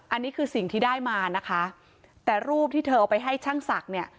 อันนี้คือสิ่งที่ได้มานะคะแต่รูปที่เธอเอาไปให้ช่างศักดิ์เนี่ย